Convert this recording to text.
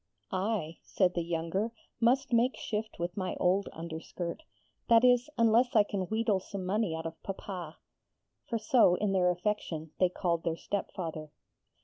'I,' said the younger, 'must make shift with my old underskirt; that is, unless I can wheedle some money out of Papa' for so, in their affection, they called their stepfather.